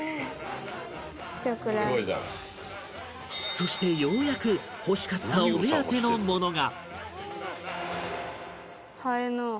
そしてようやく欲しかったお目当てのものが